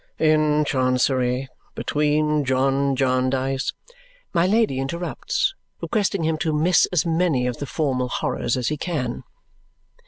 "'In Chancery. Between John Jarndyce '" My Lady interrupts, requesting him to miss as many of the formal horrors as he can.